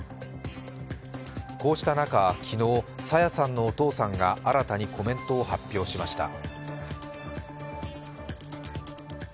こうした中、昨日、朝芽さんのお父さんが新たにコメントを発表しました。